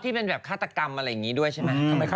อ๋อที่เป็นแบบฆาตกรรมอันนี้ด้วยใช่ไหม